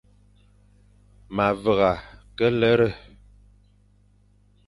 Me vagha ke lere.